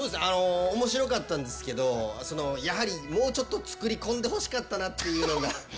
面白かったんですけどそのやはりもうちょっと作り込んでほしかったなっていうのが。